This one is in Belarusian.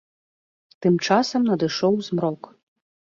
Тым часам надышоў змрок.